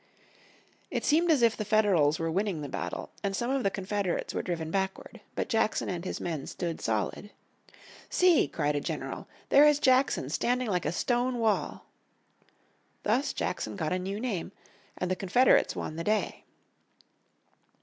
It seemed as if the Federals were winning the battle, and some of the Confederates were driven backward. But Jackson and his men stood solid. "See!" cried a general, "there is Jackson standing like a stone wall!" Thus Jackson got a new name, and the Confederates won the day.